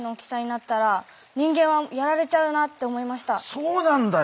そうなんだよ。